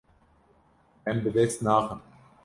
Em bi dest naxin.